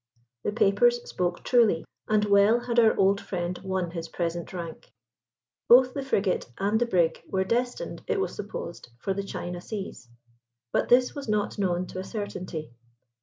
The papers spoke truly, and well had our old friend won his present rank. Both the frigate and the brig were destined, it was supposed, for the China seas; but this was not known to a certainty.